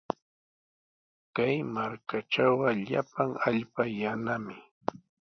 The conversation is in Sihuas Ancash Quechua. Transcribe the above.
Kay markatrawqa llapan allpa yanami.